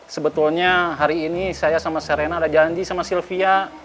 sebetulnya hari ini saya sama serena ada janji sama sylvia